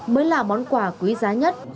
mới là món quà quý giá nhất